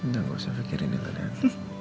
nggak usah pikirin itu nek